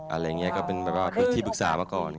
อะไรอย่างนี้ก็เป็นแบบว่าที่ปรึกษามาก่อน